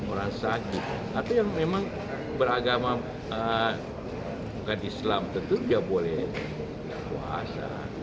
orang sakit atau yang memang beragama bukan islam tentu dia boleh berpuasa